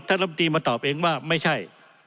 ลำตีมาตอบเองว่าไม่ใช่